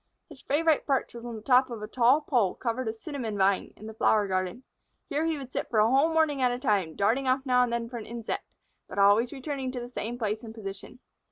His favorite perch was on the top of a tall pole covered with cinnamon vine, in the flower garden. Here he would sit for a whole morning at a time, darting off now and then for an insect, but always returning to the same place and position.